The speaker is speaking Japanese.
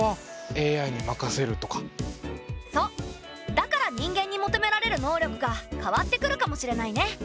だから人間に求められる能力が変わってくるかもしれないね。